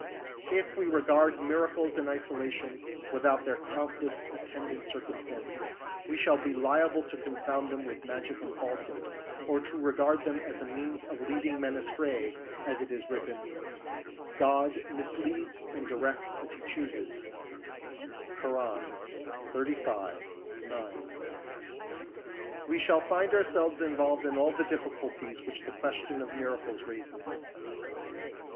1 If we regard miracles in isolation, without their countless attendant cir cumstances, we shall be liable to confound them with magic and falsehood, or to regard them as a means of leading men astray, as it is written, " God misleads and directs as He chooses " {Koran, xxxv. 9) ; we shall find ourselves involved in all the difficulties which the question of miracles raises.